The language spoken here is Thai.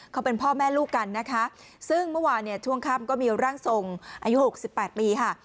เขาเป็นพ่อแม่ลูกกันนะคะซึ่งเมื่อวานเนี่ยช่วงค่ำก็มีร่างทรงอายุหกสิบแปดปีค่ะ